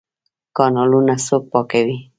کانالونه څوک پاکوي؟